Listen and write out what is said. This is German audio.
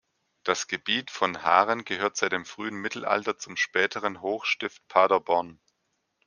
Das Gebiet von Haaren gehört seit dem frühen Mittelalter zum späteren Hochstift Paderborn.